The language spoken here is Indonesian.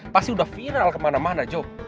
pasti udah viral kemana mana job